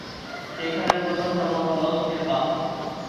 এখানের প্রধান ধর্ম হলো থেরবাদ।